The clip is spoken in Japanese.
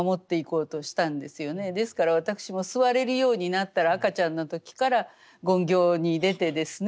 ですから私も座れるようになったら赤ちゃんの時から勤行に出てですね